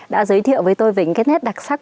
đã giới thiệu với tôi về những cái nét đặc sắc